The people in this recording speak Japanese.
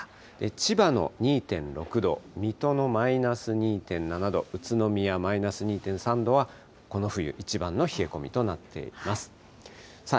千葉の２．６度、水戸のマイナス２．７度、宇都宮マイナス２．３度はこの冬一番の冷え込みとなっています。